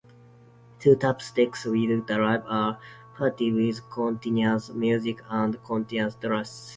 Two tape decks would drive a party with continuous music and continuous dancing.